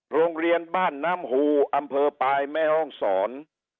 โรงเรียนบ้านน้ำหูอำเภอปลายแม่ห้องศร